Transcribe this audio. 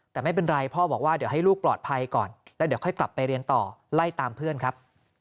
แต่ไม่เป็นไรพ่อบอกว่าเดี๋ยวให้ลูกปลอดภัยก่อนแล้วเดี๋ยวค่อยกลับไปเรียนต่อไล่ตามเพื่อนครับ